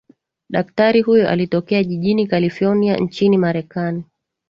daktari huyo alitokea jijini kalifornia nchini marekani